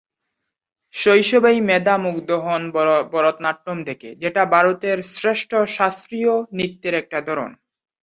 শৈশবেই মেধা মুগ্ধ হন ভরতনাট্যম দেখে, যেটা ভারতের শ্রেষ্ঠ শাস্ত্রীয় নৃত্যের একটা ধরন।